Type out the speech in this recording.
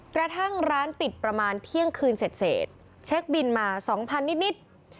กระทั่งร้านปิดประมาณเที่ยงคืนเสร็จเช็คบินมา๒๐๐นิด